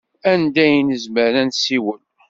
Anda i nezmer ad nsiwel?